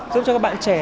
giúp cho các bạn trẻ